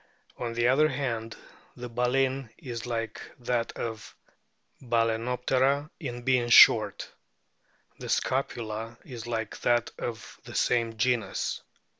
On the other hand, the baleen is like that of Balcenoptera in being short. The scapula is like that of the same genus.